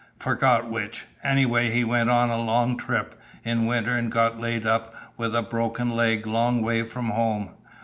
Forgot which. Anyway he went on a long trip, in winter, and got laid up with a broken leg long way from home.